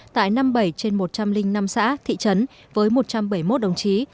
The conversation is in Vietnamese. tại năm mươi bảy trên một trăm linh năm xã thị trấn với một trăm bảy mươi một đồng chí